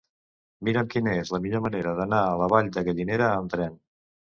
Mira'm quina és la millor manera d'anar a la Vall de Gallinera amb tren.